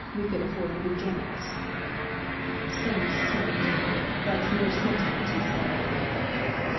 We could afford to be generous." Soames sniffed. "That's mere sentiment," he said.